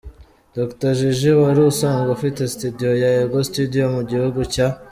Dr Jiji wari usanzwe ufite studio ya Ego studio mu gihugu cya.